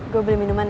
gue beli minuman ya